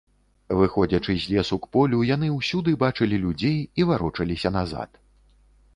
Выходзячы з лесу к полю, яны ўсюды бачылі людзей і варочаліся назад.